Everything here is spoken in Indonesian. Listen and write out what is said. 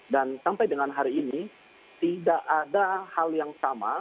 dan sampai dengan hari ini tidak ada hal yang sama